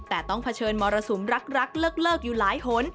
แต่ต้องเผชิญมรสุมรักเลิกอยู่หลายหน